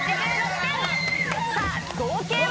さあ合計は。